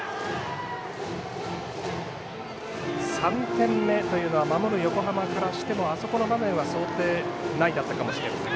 ３点目というのは守る横浜からしてもあそこの場面は想定内だったかもしれません。